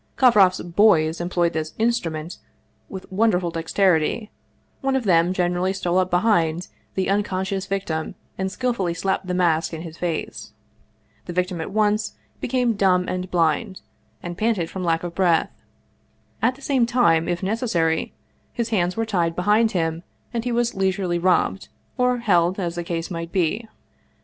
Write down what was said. KovrofFs " boys " employed this " instrument " with won derful dexterity; one of them generally stole up behind the unconscious victim and skillfully slapped the mask in his face; the victim at once became dumb and blind, and panted from lack of breath ; at the same time, if necessary, his hands were tied behind him and he was leisurely robbed, or held, as the case might be.